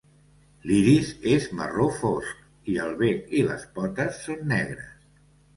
L'iris és marró fosc, i el bec i les potes són negres.